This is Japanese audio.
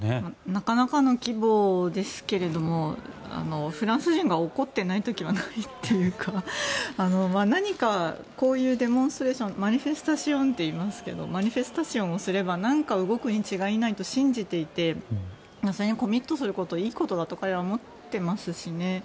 なかなかの規模ですけどもフランス人が怒っていない時はないっていうか何かこういうデモンストレーションマニフェスタシオンをすれば何か動くに違いないと信じていてそれにコミットすることがいいことだと彼らは思っていますしね。